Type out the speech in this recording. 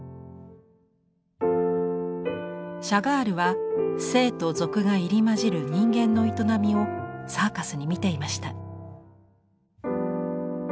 シャガールは聖と俗が入り交じる人間の営みをサーカスに見ていました。